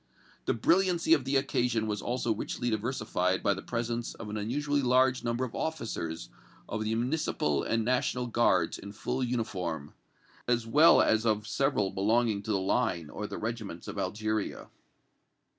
The brilliancy of the occasion was also richly diversified by the presence of an unusually large number of officers of the Municipal and National Guards in full uniform, as well as of several belonging to the Line or the regiments of Algeria.